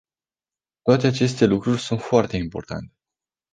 Toate aceste lucruri sunt foarte importante.